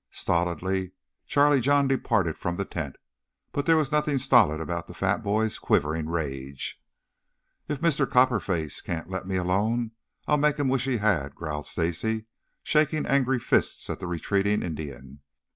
Stolidly Charlie John departed from the tent, but there was nothing stolid about the fat boy's quivering rage. "If Mr. Copper Face can't let me alone, I'll make him wish he had," growled Stacy, shaking angry fists at the retreating Indian.